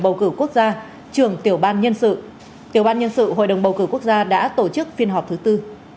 bầu cử quốc gia trưởng tiểu ban nhân sự tiểu ban nhân sự hội đồng bầu cử quốc gia đã tổ chức phiên họp thứ tư